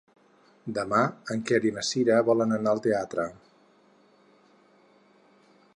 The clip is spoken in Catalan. Demà en Quer i na Cira volen anar al teatre.